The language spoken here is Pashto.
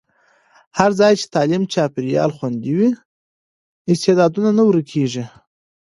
هر ځای چې تعلیمي چاپېریال خوندي وي، استعدادونه نه ورکېږي.